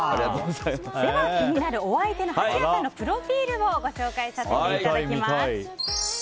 では、気になるお相手の蜂谷さんのプロフィールをご紹介させていただきます。